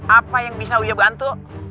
apa yang bisa wija bantu